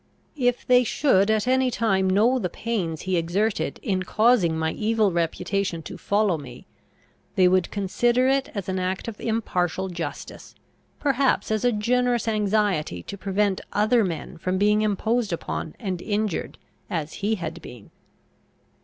If they should at any time know the pains he exerted in causing my evil reputation to follow me, they would consider it as an act of impartial justice, perhaps as a generous anxiety to prevent other men from being imposed upon and injured, as he had been.